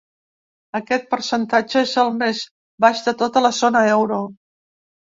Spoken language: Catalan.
Aquest percentatge és el més baix de tota la zona euro.